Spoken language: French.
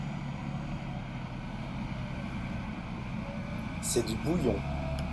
C’est du bouillon.